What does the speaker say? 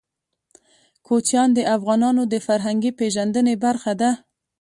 کوچیان د افغانانو د فرهنګي پیژندنې برخه ده.